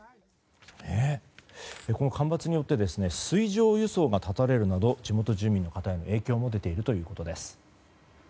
この干ばつによって水上輸送が断たれるなど地元住民の方への影響も出ているということです。